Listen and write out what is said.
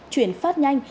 chuyển phát nhanh